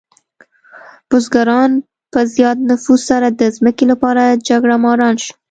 بزګران په زیات نفوس سره د ځمکې لپاره جګړهماران شول.